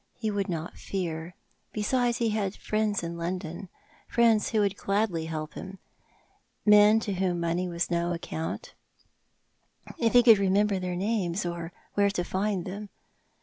He would not fear. Besides, he had friends in London — friends who would gladly help him— men to whom money was of no account — if he could remember their names, or where to find them.